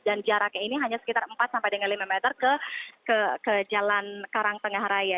dan jaraknya ini hanya sekitar empat sampai dengan lima meter ke jalan karangtengah raya